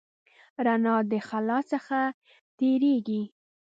رڼا د خلا څخه تېرېږي.